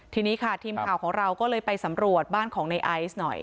ทีนี้ค่ะทีมข่าวของเราก็เลยไปสำรวจบ้านของในไอซ์หน่อย